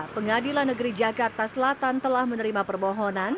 pengadilan negeri jakarta selatan telah menerima permohonan